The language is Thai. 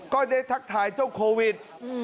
ทักทายเจ้าโควิด